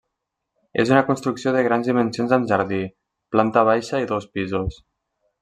És una construcció de grans dimensions amb jardí, planta baixa i dos pisos.